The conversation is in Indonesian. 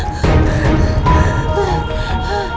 kenapa tikus kecilku sayang